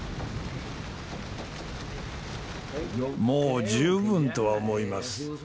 もう十分とは思います。